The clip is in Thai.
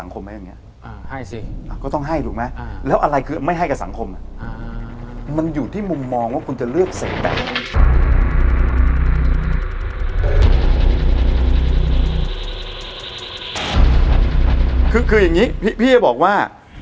คืออย่างนี้พี่ก็บอกว่า